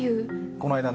こないだね